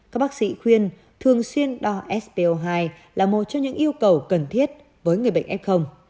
các bác sĩ khuyên thường xuyên đo sco hai là một trong những yêu cầu cần thiết với người bệnh f